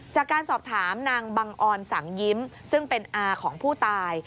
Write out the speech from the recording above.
จากการสอบถามนางบังออนสังยิ้มซึ่งเป็นอาของผู้ตาย